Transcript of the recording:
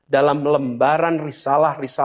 dalam lembaran risalah risalah